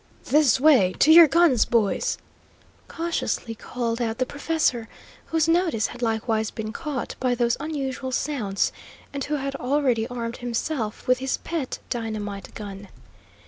"This way; to your guns, boys!" cautiously called out the professor, whose notice had likewise been caught by those unusual sounds, and who had already armed himself with his pet dynamite gun.